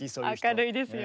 明るいですよ。